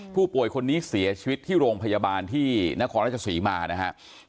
ผู้ป่วยคนนี้เสียชีวิตที่โรงพยาบาลที่นครราชศรีมานะครับ